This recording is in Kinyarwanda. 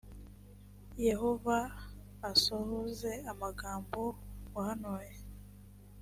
yehova asohoze amagambo wahanuye